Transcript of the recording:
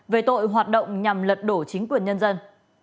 về tội hoạt động nhằm lật đổ chính quyền nhân dân